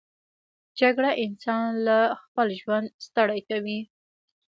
جګړه انسان له خپل ژوند ستړی کوي